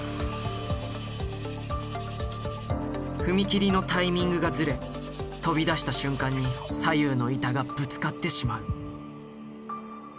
踏切のタイミングがずれ飛び出した瞬間に左右の板がぶつかってしまう。